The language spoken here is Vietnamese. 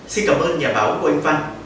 xin cảm ơn nhà báo của anh văn